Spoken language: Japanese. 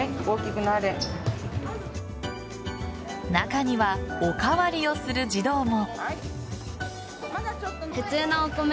中には、お代わりをする児童も。